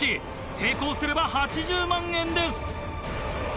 成功すれば８０万円です。